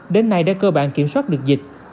đến nay đã cơ bản kiểm soát được dịch